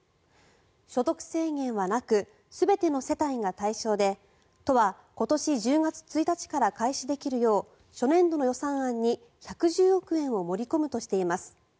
所得制限はなく全ての世帯が対象で都は、今年１０月１日から開始できるよう初年度の予算案に１１０億円を盛り込むとしています。